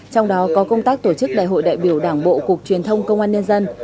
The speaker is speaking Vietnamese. trong đó có công tác tổ chức đại hội đại biểu đảng bộ cục truyền thông công an nhân dân